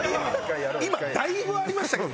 今だいぶありましたけど。